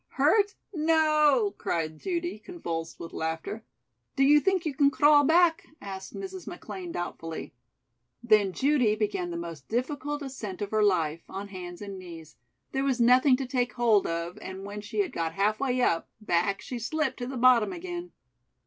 "Hurt? No," cried Judy, convulsed with laughter. "Do you think you can crawl back?" asked Mrs. McLean doubtfully. Then Judy began the most difficult ascent of her life, on hands and knees. There was nothing to take hold of and, when she had got half way up, back she slipped to the bottom again.